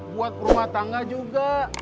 buat rumah tangga juga